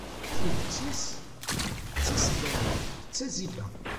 Tidet-is, d taseddarit, d tazibba.